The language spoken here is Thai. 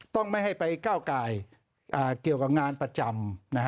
ต้องไม่ให้ไปก้าวไก่เกี่ยวกับงานประจำ